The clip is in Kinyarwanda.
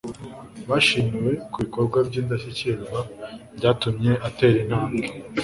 bashimiwe ku bikorwa by'indashyikirwa byatumye atera intambwe